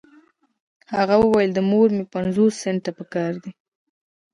هغې وويل د مور مې پنځوس سنټه پهکار دي.